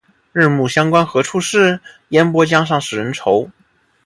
日暮乡关何处是？烟波江上使人愁。